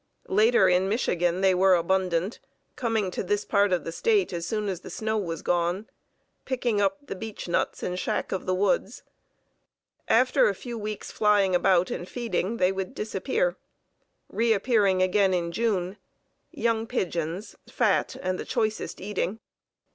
Later, in Michigan, they were abundant, coming to this part of the State as soon as the snow was gone, picking up the beech nuts and "shack" of the woods. After a few weeks' flying about and feeding they would disappear; reappearing again in June, young pigeons, fat, and the choicest eating.